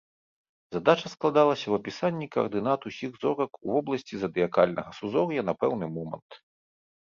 Задача складалася ў апісанні каардынат ўсіх зорак у вобласці задыякальнага сузор'я на пэўны момант.